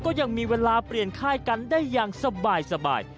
ก็ยังมีเวลาเปลี่ยนค่ายกันได้อย่างสบาย